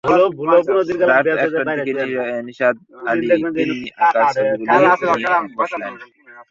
রাত একটার দিকে নিসার আলি তিন্নির আঁকা ছবিগুলি নিয়ে বসলেন।